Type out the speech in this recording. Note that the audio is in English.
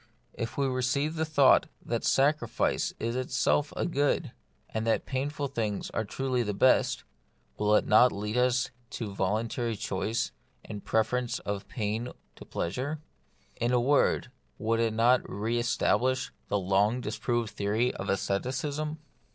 If we receive the thought that sacrifice is itself a good, and that painful things truly are the best, will it not lead us to voluntary choice and preference of pain to pleasure? In a word, would it not re establish the long disproved theory of asceticism